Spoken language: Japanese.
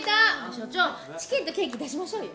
所長チキンとケーキ出しましょうよ。